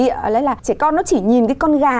trẻ con nó chỉ nhìn cái con gà